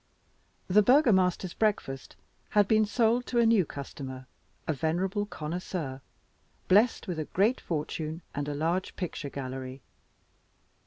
"The Burgomaster's Breakfast" had been sold to a new customer, a venerable connoisseur, blessed with a great fortune and a large picture gallery.